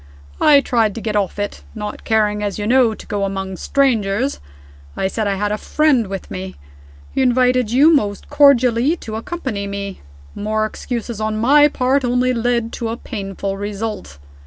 I tried to get off it not caring, as you know, to go among strangers I said I had a friend with me. He invited you most cordially to accompany me. More excuses on my part only led to a painful result.